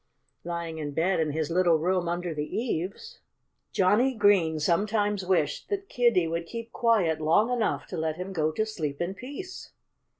Lying in bed in his little room under the eaves, Johnnie Green sometimes wished that Kiddie would keep quiet long enough to let him go to sleep in peace.